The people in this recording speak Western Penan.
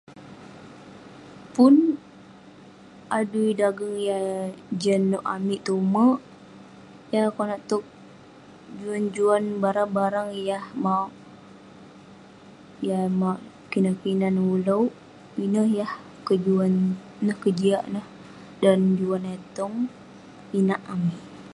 Pun adui dageng yah jian nouk amik tong umerk..yah konak towk juan juan barang yah mauk..yah mauk kinan kinan ulouk, ineh yah kejuan, ineh kejian neh dan juan eh tong inak amik..